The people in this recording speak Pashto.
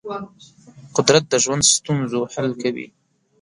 قدرت د ژوند د ستونزو حل کوي.